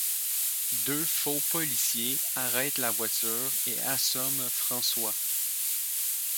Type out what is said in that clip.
Deux faux policiers arrêtent la voiture et assomment François.